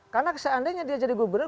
karena seandainya dia jadi gubernur